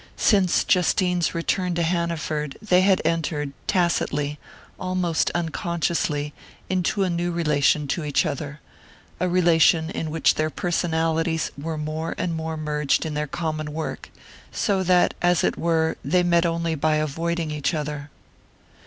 Since Justine's return to Hanaford they had entered, tacitly, almost unconsciously, into a new relation to each other: a relation in which their personalities were more and more merged in their common work, so that, as it were, they met only by avoiding each other.